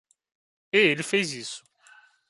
E ele fez isso.